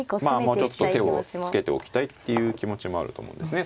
もうちょっと手をつけておきたいっていう気持ちもあると思うんですね。